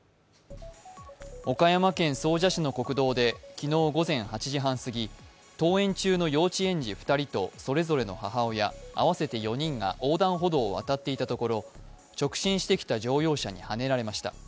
岡山県総社市の国道で昨日午前８時半すぎ登園中の幼稚園児２人とそれぞれの母親合わせて４人が横断歩道を渡っていたところ直進してきた乗用車にはねられました。